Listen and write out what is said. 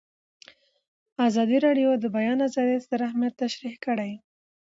ازادي راډیو د د بیان آزادي ستر اهميت تشریح کړی.